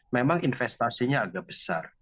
memang investasinya agak besar